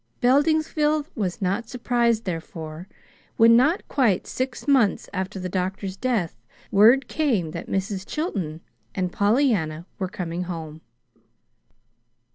Beldingsville was not surprised, therefore, when, not quite six months after the doctor's death, word came that Mrs. Chilton and Pollyanna were coming home.